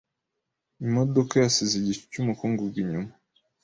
Imodoka yasize igicu cyumukungugu inyuma.